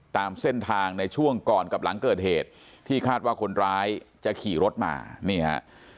ตามเส้นทางในช่วงก่อนกับหลังเกิดเหตุที่คาดว่าคนร้ายจะขี่รถมานี่ฮะ